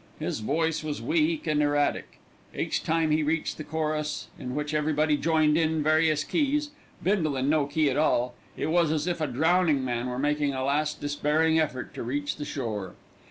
His voice was weak and erratic. Each time he reached the chorus, in which everybody joined in various keys, Bindle in no key at all, it was as if a drowning man were making a last despairing effort to reach the shore.